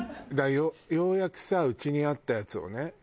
ようやくさうちにあったやつをね